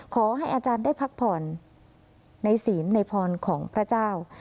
ขอให้อาจารย์ได้พักผ่อนในศีลในพรของพระเจ้า